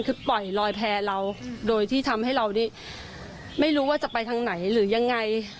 คือปล่อยลอยแพร่เราโดยที่ทำให้เรานี่ไม่รู้ว่าจะไปทาง